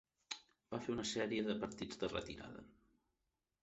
Va fer una sèrie de partits de retirada.